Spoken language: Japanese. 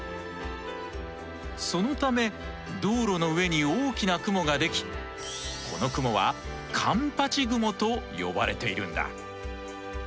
そのため道路の上に大きな雲ができこの雲は環八雲と呼ばれているんだ。